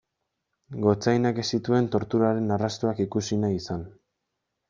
Gotzainak ez zituen torturaren arrastoak ikusi nahi izan.